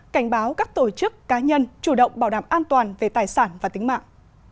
cảnh báo các tổ chức cá nhân chủ động bảo đảm an toàn về tài sản và tính mạng